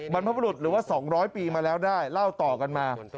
บรรพบรุษหรือว่า๒๐๐ปีมาแล้วได้เล่าต่อกันมา